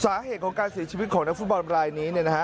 สาเหตุของการเสียชีวิตของนักฟุตบอลรายนี้